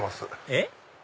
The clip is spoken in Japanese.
えっ？